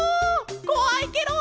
こわいケロ！